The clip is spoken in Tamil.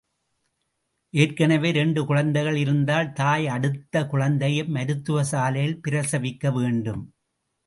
ஏற்கனவே இரண்டு குழந்தைகள் இருந்தால் தாய் அடுத்த குழந்தையை மருத்துவச்சாலையில் பிரசவிக்க வேண்டும்.